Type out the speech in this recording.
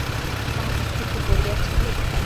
তাহাকে কিছু বলিয়াছিলে?